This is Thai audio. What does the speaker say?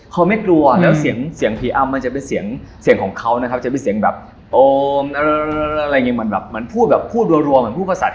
เขาไม่กลัวแล้วเสียงผีอำมันจะเป็นเสียงของเขานะครับจะเป็นเสียงแบบโอ้มอะไรอย่างงี้มันแบบมันพูดแบบพูดรัวมันพูดภาษาเทพ